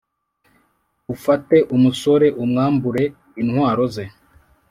ufate umusore umwambure intwaro ze.